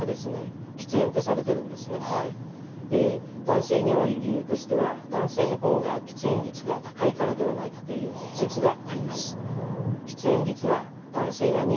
男性に多い理由としては男性の方が喫煙率が高いからではないかという説があります。